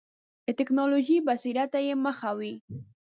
د ټکنالوژیک بصیرت ته یې مخه وي.